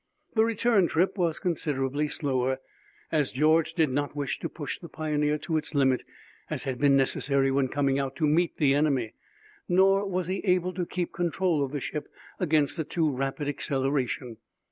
The return trip was considerably slower, as George did not wish to push the Pioneer to its limit as had been necessary when coming out to meet the enemy, nor was he able to keep control of the ship against a too rapid acceleration.